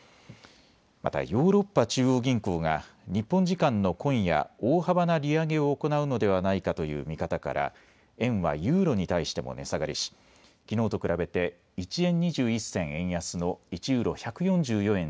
またヨーロッパ中央銀行が日本時間の今夜、大幅な利上げを行うのではないかという見方から円はユーロに対しても値下がりしきのうと比べて１円２１銭円安の１ユーロ１４４円